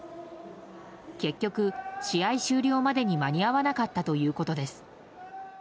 結局、試合終了までに間に合わなかったということです。